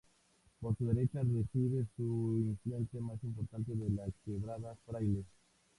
Por su derecha recibe su afluente más importante, de la Quebrada Fraile.